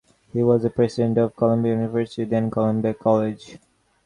He was a president of Columbia University, then Columbia College.